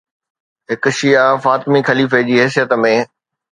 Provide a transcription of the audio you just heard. هڪ شيعه فاطمي خليفي جي حيثيت ۾